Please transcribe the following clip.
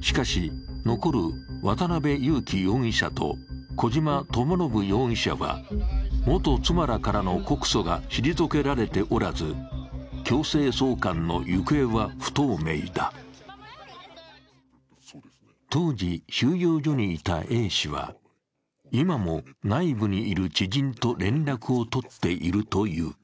しかし、残る渡辺優樹容疑者と小島智信容疑者は元妻らからの告訴が退けられておらず、強制送還の行方は不透明だ当時収容所にいたＡ氏は、今も内部にいる知人と連絡を取っているという。